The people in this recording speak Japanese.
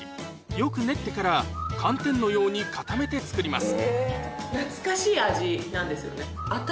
よく練ってから寒天のように固めて作ります